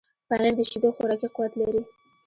پنېر د شیدو خوراکي قوت لري.